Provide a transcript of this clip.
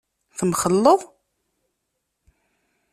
Temxelleḍ?